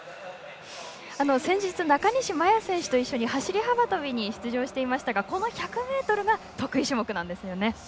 先日、中西麻耶選手と走り幅跳びに出場していましたがこの１００ｍが得意種目なんですよね。